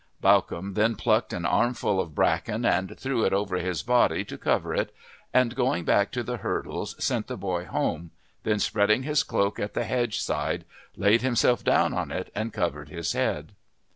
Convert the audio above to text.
Bawcombe then plucked an armful of bracken and threw it over his body to cover it, and going back to the hurdles sent the boy home, then spreading his cloak at the hedge side, laid himself down on it and covered his head.